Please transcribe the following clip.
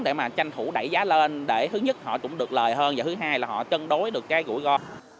để mà tranh thủ đẩy giá lên để thứ nhất họ cũng được lời hơn và thứ hai là họ chân đối được cái rủi ro